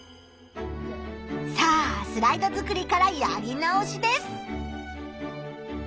さあスライド作りからやり直しです。